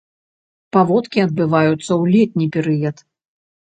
Паводкі адбываюцца ў летні перыяд.